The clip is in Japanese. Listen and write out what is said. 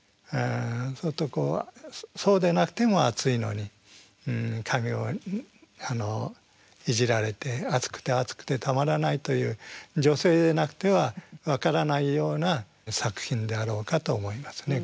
そうするとこうそうでなくても暑いのに髪をいじられて暑くて暑くてたまらないという女性でなくては分からないような作品であろうかと思いますね